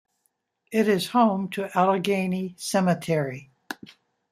It is home to Allegheny Cemetery.